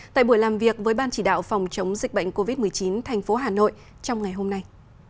tại buổi làm việc với ban chỉ đạo phòng chống dịch bệnh covid một mươi chín thành phố hà nội trong ngày hôm nay